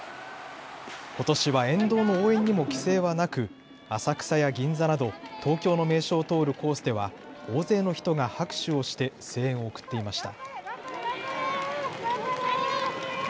ことしは沿道の応援にも規制はなく浅草や銀座など東京の名所を通るコースでは大勢の人が拍手をして声援を送っていました。